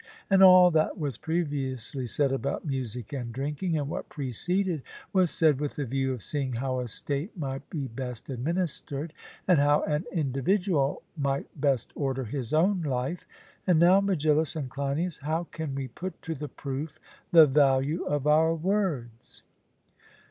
And all that was previously said about music and drinking, and what preceded, was said with the view of seeing how a state might be best administered, and how an individual might best order his own life. And now, Megillus and Cleinias, how can we put to the proof the value of our words?